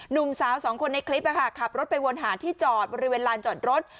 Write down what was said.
หนุ่มสาวสองคนในคลิปขับรถไปวนหาที่จอดบริเวณลานจอดรถ